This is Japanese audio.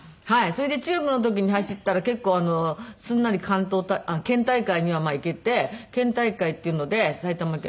それで中学の時に走ったら結構すんなり県大会には行けて県大会っていうので埼玉県の。